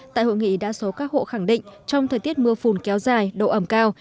tại hội nghị đa số các hộ khẳng định trong thời tiết mưa phùn kéo dài độ ẩm cao